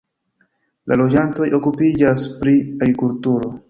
La loĝantoj okupiĝas pri agrikulturo.